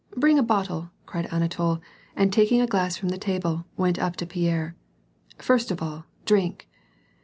Bring a bottle/' cried Ana tol, and taking a glass from the table, went up to Pierre, —« First of all, drink."